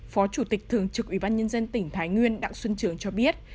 phó chủ tịch thường trực ủy ban nhân dân tỉnh thái nguyên đặng xuân trường cho biết